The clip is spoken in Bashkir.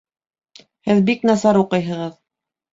Һеҙ бик насар уҡыйһығыҙ